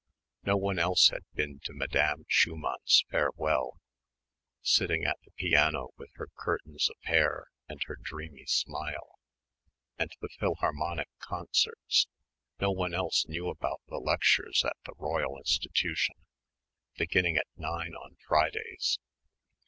No one else had been to Madame Schumann's Farewell ... sitting at the piano with her curtains of hair and her dreamy smile ... and the Philharmonic Concerts. No one else knew about the lectures at the Royal Institution, beginning at nine on Fridays....